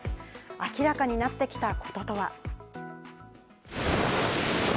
明らかになってきたこととは。